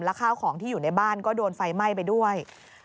ข้าวของที่อยู่ในบ้านก็โดนไฟไหม้ไปด้วย